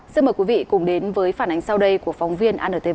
xin mời quý vị cùng đến với phản ánh sau đây của phóng viên antv